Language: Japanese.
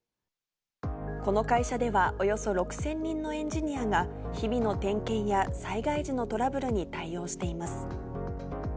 この会社では、およそ６０００人のエンジニアが、日々の点検や災害時のトラブルに対応しています。